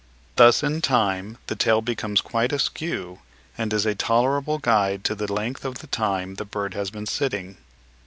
Thus in time the tail becomes quite askew, and is a tolerable guide to the length of time the bird has been sitting."